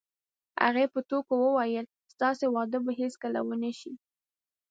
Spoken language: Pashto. هغې په ټوکو وویل: ستاسې واده به هیڅکله ونه شي.